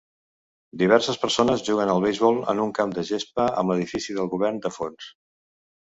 Diverses persones juguen al beisbol en un camp de gespa, amb l'edifici del govern de fons.